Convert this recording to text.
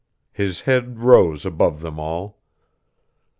His head rose above them all.